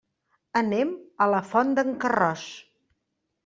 Anem a la Font d'en Carròs.